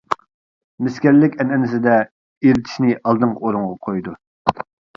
مىسكەرلىك ئەنئەنىسىدە ئېرىتىشنى ئالدىنقى ئورۇنغا قويىدۇ.